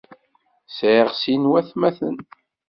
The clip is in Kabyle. Sεiɣ sin n watamaten.